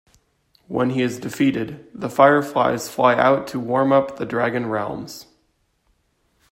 When he is defeated, the fireflies fly out to warm Up the Dragon Realms.